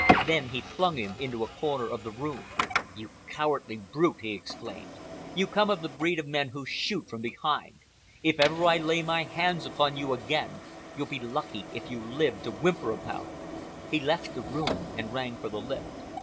Then he flung him into a corner of the room. "You cowardly brute!" he exclaimed. "You come of the breed of men who shoot from behind. If ever I lay my hands upon you again, you'll be lucky if you live to whimper about it." He left the room and rang for the lift.